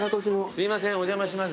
すいませんお邪魔します。